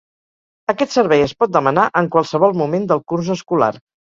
Aquest servei es pot demanar en qualsevol moment del curs escolar.